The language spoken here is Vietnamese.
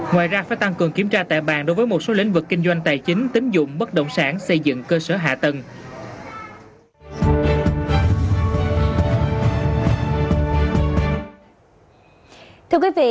ngoài ra phải tăng cường kiểm tra tại bàn đối với một số lĩnh vực kinh doanh tài chính tính dụng bất động sản xây dựng cơ sở hạ tầng